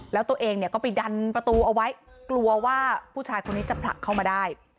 แล้วตัวเองเนี่ยก็ไปดันประตูเอาไว้กลัวว่าผู้ชายคนนี้จะผลักเข้ามาได้